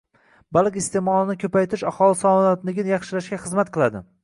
Baliq iste’molini ko‘paytirish aholi salomatligini yaxshilashga xizmat qilading